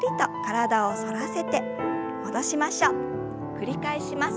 繰り返します。